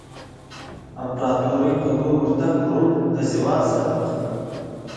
امپراتورۍ په لور ورتګ روم له زوال سره مخ کړ.